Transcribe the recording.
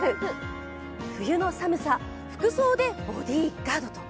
冬の寒さ、服装でボディガードと。